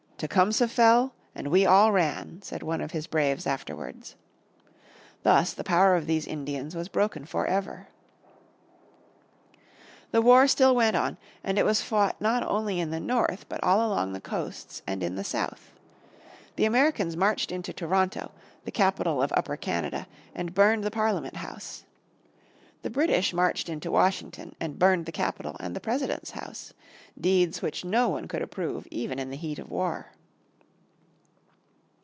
"Tecumseh fell and we all ran," said one of his braves afterwards. Thus the power of these Indians was broken for ever. The war still went on, and it was fought not only in the North but all along the coasts and in the South. The Americans marched into Toronto, the capital of Upper Canada, and burned the Parliament House. The British marched into Washington, and burned the Capitol and the President's House, deeds which no one could approve even in the heat of war.